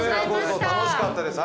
楽しかったです。